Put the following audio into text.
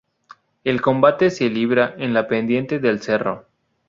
El combate se libra en la pendiente del cerro.